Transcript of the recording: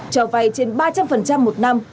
cho vay trên ba trăm linh một năm